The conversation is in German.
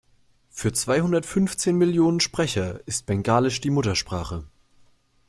Für zweihundertfünfzehn Millionen Sprecher ist Bengalisch die Muttersprache.